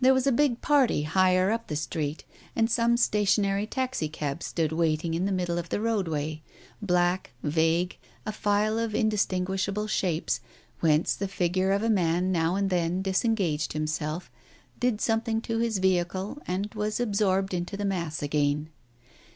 There was a big party higher up the street and some stationary taxicabs stood waiting in the middle of the roadway, black, vague, a file of indistinguishable shapes, whence the figure of a man now and then disengaged himself, did something to his vehicle and was absorbed into the mass again.